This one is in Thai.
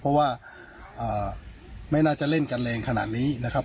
เพราะว่าไม่น่าจะเล่นกันแรงขนาดนี้นะครับ